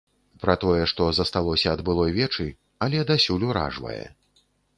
Пра тое, што засталося ад былой вечы, але дасюль уражвае.